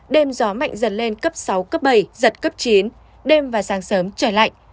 đêm gió mạnh dần lên cấp sáu cấp bảy giật cấp chín đêm và sáng sớm trời lạnh